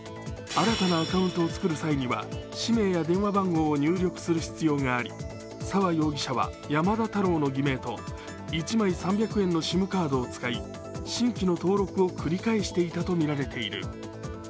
新たなアカウントを作る際には氏名や電話番号を入力する必要があり、沢容疑者は山田太郎の偽名と１枚３００円のＳＩＭカードを使い、新規の登録を繰り返していたとみられている。